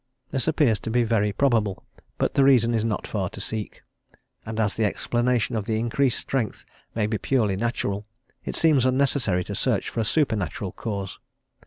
This appears to be very probable, but the reason is not far to seek, and as the explanation of the increased strength may be purely natural, it seems unnecessary to search for a supernatural cause.